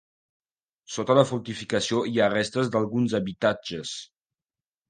Sota la fortificació hi ha restes d'alguns habitatges.